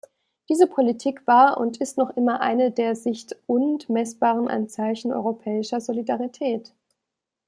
Diese Politik war und ist noch immer eine der sichtund messbaren Anzeichen europäischer Solidarität.